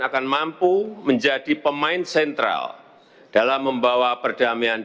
yang mulia dipersilahkan